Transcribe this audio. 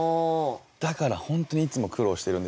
だから本当にいつも苦労してるんですよ。